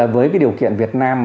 với điều kiện việt nam